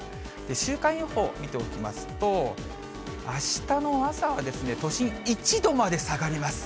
週間予報見ておきますと、あしたの朝は、都心、１度まで下がります。